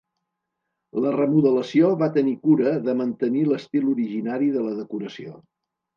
La remodelació va tenir cura de mantenir l'estil originari de la decoració.